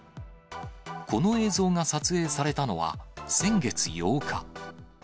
この映像が撮影されたのは、先月８日。